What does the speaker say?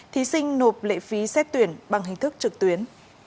thí sinh nộp lệ phí xét tuyển bằng hình thức trực tuyến